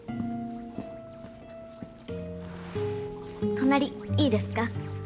隣いいですか？